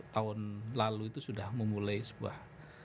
tahun lalu itu sudah memulai sebuah